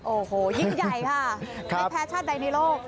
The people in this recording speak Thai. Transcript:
โอ้โหยิ่งใหญ่ค่ะในแพชชั่นใดในโลก